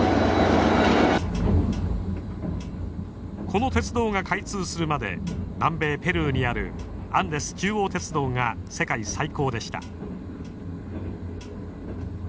この鉄道が開通するまで南米ペルーにあるアンデス中央鉄道が世界最高でした。